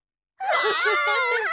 わ！